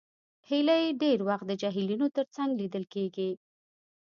هیلۍ ډېر وخت د جهیلونو تر څنګ لیدل کېږي